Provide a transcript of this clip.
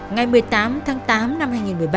ngày một mươi tám tháng tám năm hai nghìn một mươi ba